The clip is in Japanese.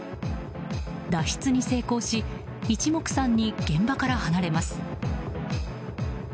脱出に成功し一目散に現場から離れます。